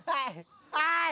はい。